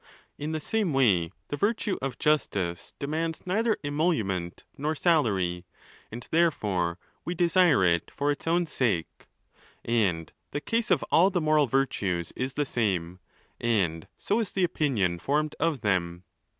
In the same way the virtue of justice demands neither emolument nor salary, and therefore we desire it for its own sake. And the case of all the moral virtues is the same, and so is the opinion formed of them.